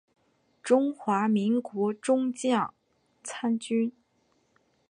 中华民国中将参军。